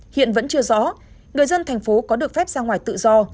hiện vẫn chưa rõ người dân thành phố có được phép ra ngoài tự do